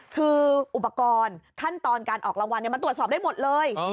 คืออุปกรณ์ขั้นตอนการออกรางวัลมันตรวจสอบได้หมดเลย